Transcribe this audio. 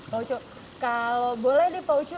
pak ucu kalau boleh nih pak ucu